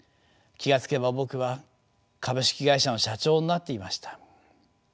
気が付けば僕は株式会社の社長になっていました。